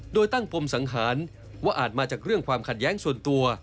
โดยตั้งปมสังหารว่าอาจมาจากเรื่องความขัดแย้งส่วนตัว